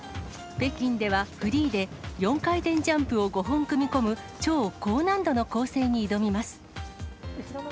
北京ではフリーで４回転ジャンプを５本組み込む超高難度の構成に挑みます。